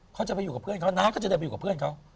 เขาจะไปอยู่กับเพื่อนเขาน้าก็จะได้ไปอยู่กับเพื่อนเขา